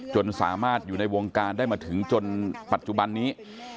จนสามารถอยู่ในวงการได้มาถึงจนปัจจุบันนี้